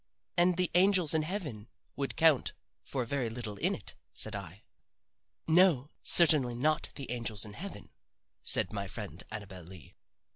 "And the angels in heaven would count for very little in it," said I. "No, certainly not the angels in heaven," said my friend Annabel Lee.